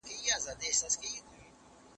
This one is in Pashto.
چې د دویمې هغې له سفر سره اشنا شئ